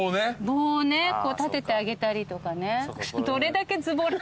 棒を立ててあげたりとかね。